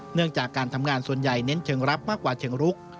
เนื่องจากการทำงานส่วนใหญ่เน้นเชิงรับมากกว่าเชิงรุก